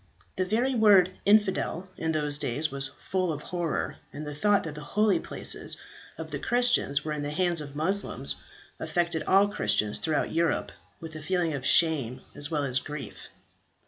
The very word "infidel" in those days was full of horror, and the thought that the holy places of the Christians were in the hands of Moslems, affected all Christians throughout Europe with a feeling of shame as well as of grief.